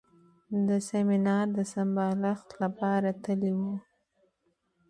د سیمینار د سمبالښت لپاره تللی و.